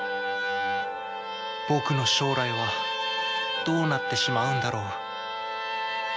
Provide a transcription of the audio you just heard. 僕の将来はどうなってしまうんだろう？